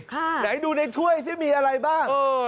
เดี๋ยวให้ดูในถ้วยซิมีอะไรบ้าง